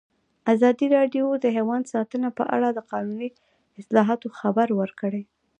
ازادي راډیو د حیوان ساتنه په اړه د قانوني اصلاحاتو خبر ورکړی.